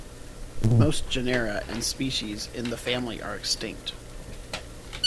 Most genera and species in the family are extinct.